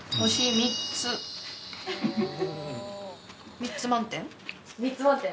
３つ満点？